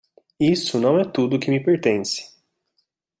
Isso não é tudo que me pertence.